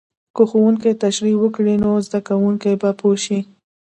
که ښوونکی تشریح وکړي، نو زده کوونکی به پوه شي.